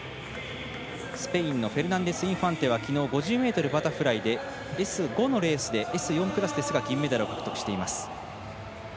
スペインのフェルナンデスインファンテはきのう５０ｍバタフライでＳ５のクラスでＳ４クラスですが銀メダルを獲得しています。